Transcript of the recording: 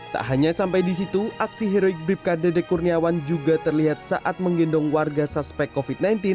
tak hanya sampai di situ aksi heroik bribka dede kurniawan juga terlihat saat menggendong warga suspek covid sembilan belas